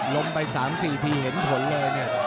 ล้มไปสามสี่ทีเห็นผลเลยเนี่ย